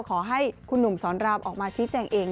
ขอให้คุณหนุ่มสอนรามออกมาชี้แจงเอง